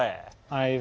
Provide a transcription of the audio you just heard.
はい。